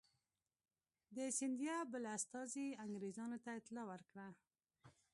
د سیندیا بل استازي انګرېزانو ته اطلاع ورکړه.